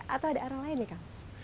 atau ada arah lain nih kang